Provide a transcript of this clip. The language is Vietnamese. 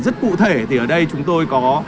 rất cụ thể thì ở đây chúng tôi có